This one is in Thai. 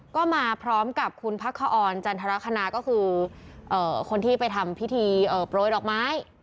ก็มาพร้อมกับคุณพักคออนจันทรคณาก็คือคนที่ไปทำพิธีโปรยดอกไม้